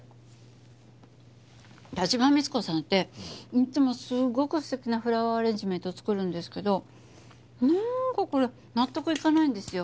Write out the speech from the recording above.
田島三津子さんっていつもすごく素敵なフラワ−アレンジメント作るんですけどなんかこれ納得いかないんですよ。